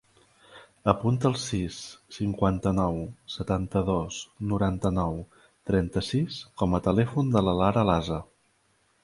Apunta el sis, cinquanta-nou, setanta-dos, noranta-nou, trenta-sis com a telèfon de la Lara Lasa.